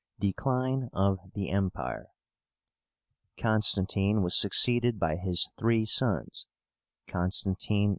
DECLINE OF THE EMPIRE. Constantine was succeeded by his three sons, CONSTANTINE II.